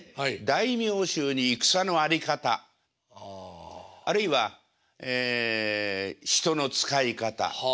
大名衆に戦の在り方あるいはええ人の使い方